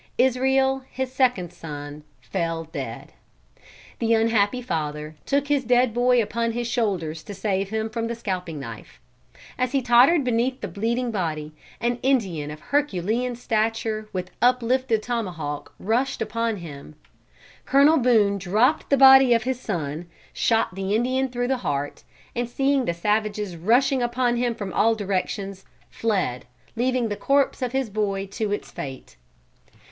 Israel, his second son, fell dead. The unhappy father, took his dead boy upon his shoulders to save him from the scalping knife. As he tottered beneath the bleeding body, an Indian of herculean stature with uplifted tomahawk rushed upon him. Colonel Boone dropped the body of his son, shot the Indian through the heart, and seeing the savages rushing upon him from all directions, fled, leaving the corpse of his boy to its fate.